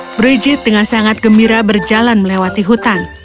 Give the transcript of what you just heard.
frigit dengan sangat gembira berjalan melewati hutan